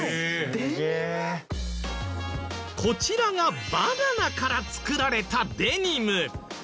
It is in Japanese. こちらがバナナから作られたデニム。